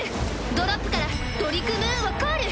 ドロップからトリクムーンをコール！